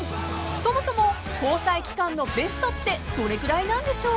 ［そもそも交際期間のベストってどれくらいなんでしょう？］